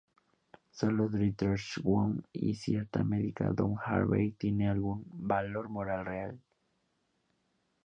Solo Dietrich, Wong y, en cierta medida, "Doc" Harvey, tienen algún "valor moral real".